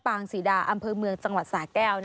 งศรีดาอำเภอเมืองจังหวัดสาแก้ว